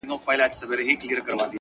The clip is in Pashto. جانه ياره بس کړه ورله ورسه!